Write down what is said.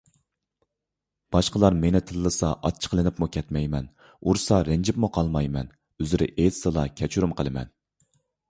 باشقىلار مېنى تىللىسا ئاچچىقلىنىپمۇ كەتمەيمەن. ئۇرسا رەنجىپمۇ قالمايمەن. ئۆزرە ئېيتسىلا، كەچۈرۈم قىلىمەن.